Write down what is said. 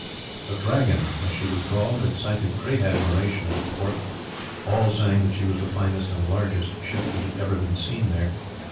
The Dragon, as she was called, excited great admiration at the port, all saying that she was the finest and largest ship that had ever been seen there.